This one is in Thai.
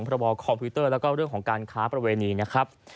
พระบอคอมพิวเตอร์แล้วก็เรื่องของการค้าประเวณีนะครับ